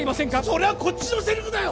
それはこっちのセリフだよ